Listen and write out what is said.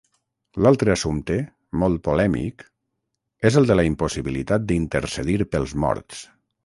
L'altre assumpte, molt polèmic, és el de la impossibilitat d'intercedir pels morts.